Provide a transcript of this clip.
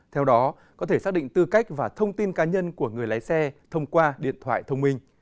theo đó có thể xác định tư cách và thông tin cá nhân của người lái xe thông qua điện thoại thông minh